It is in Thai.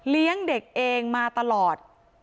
เลี้ยงเด็กเองมาตลอด